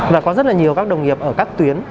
và có rất là nhiều các đồng nghiệp ở các tuyến